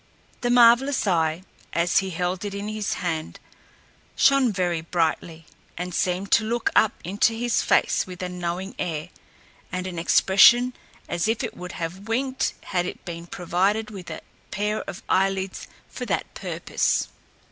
The marvelous eye, as he held it in his hand, shone very brightly, and seemed to look up into his face with a knowing air, and an expression as if it would have winked had it been provided with a pair of eyelids for that purpose.